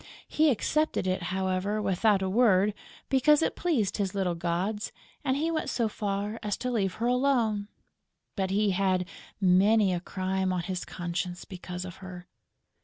He accepted it, however, without a word, because it pleased his little gods; and he went so far as to leave her alone. But he had had many a crime on his conscience because of her!